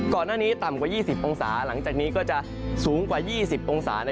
ก่อนหน้านี้ต่ำกว่า๒๐องศาเมื่ออาจมูกกลก็กึ่งสูงกว่านี้